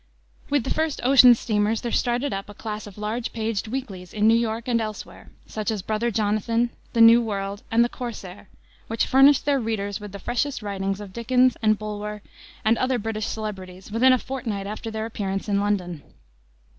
With the first ocean steamers there started up a class of large paged weeklies in New York and elsewhere, such as Brother Jonathan, the New World, and the Corsair, which furnished their readers with the freshest writings of Dickens and Bulwer and other British celebrities within a fortnight after their appearance in London.